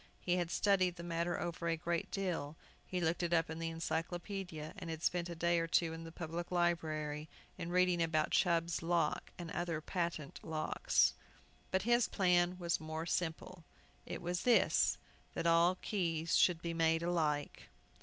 He had studied the matter over a great deal. He looked it up in the Encyclopædia, and had spent a day or two in the Public Library, in reading about Chubb's Lock and other patent locks. But his plan was more simple. It was this: that all keys should be made alike!